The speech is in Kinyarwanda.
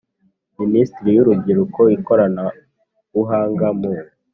Minisiteri y Urubyiruko Ikoranabuhanga mu